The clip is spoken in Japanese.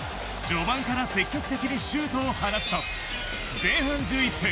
序盤から積極的にシュートを放つと前半１１分。